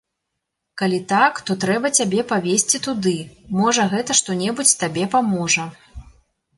Калі так, то трэба цябе павесці туды, можа, гэта што-небудзь табе паможа!